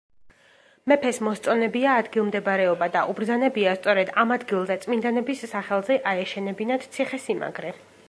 მეფეს მოსწონებია ადგილმდებარეობა და უბრძანებია სწორედ ამ ადგილზე წმინდანების სახელზე აეშენებინათ ციხესიმაგრე.